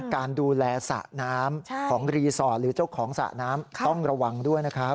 การดูแลสระน้ำของรีสอร์ทหรือเจ้าของสระน้ำต้องระวังด้วยนะครับ